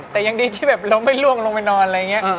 แต่ยังดีที่แบบเราไม่ล่วงลงไปนอนอะไรอย่างนี้